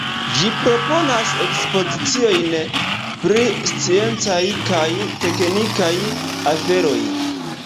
Ĝi proponas ekspoziciojn pri sciencaj kaj teknikaj aferoj.